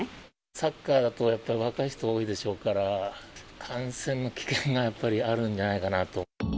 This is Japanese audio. サッカーだとやっぱ若い人が多いでしょうから、感染の危険がやっぱりあるんじゃないかなと。